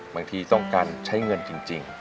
บางทีต้องการใช้เงินจริง